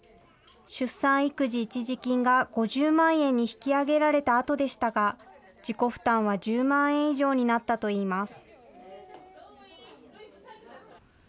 出産育児一時金が５０万円に引き上げられたあとでしたが、自己負担は１０万円以上になったといいます。